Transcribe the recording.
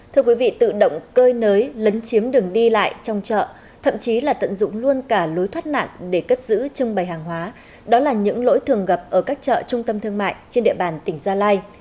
thưa quý vị tự động cơi nới lấn chiếm đường đi lại trong chợ thậm chí là tận dụng luôn cả lối thoát nạn để cất giữ trưng bày hàng hóa đó là những lỗi thường gặp ở các chợ trung tâm thương mại trên địa bàn tỉnh gia lai